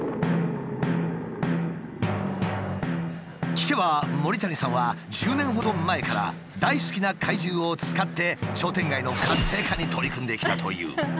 聞けば森谷さんは１０年ほど前から大好きな怪獣を使って商店街の活性化に取り組んできたという。